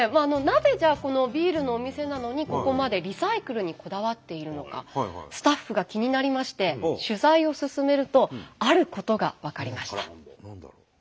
なぜじゃあこのビールのお店なのにここまでスタッフが気になりまして取材を進めるとあることが分かりました。